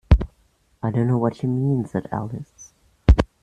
‘I don’t know what you mean,’ said Alice.